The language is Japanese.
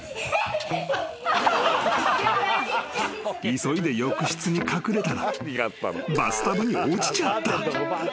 ［急いで浴室に隠れたらバスタブに落ちちゃった］